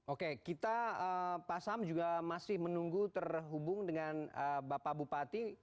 oke kita pak sam juga masih menunggu terhubung dengan bapak bupati